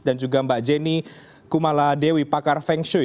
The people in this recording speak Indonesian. dan juga mbak jenny kumaladewi pakar feng shui